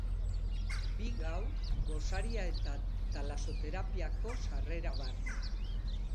Bi gau, gosaria eta talasoterapiarako sarrera barne.